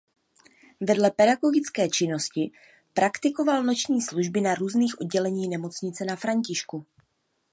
Vedle pedagogické činnosti praktikoval noční služby na různých odděleních nemocnice Na Františku.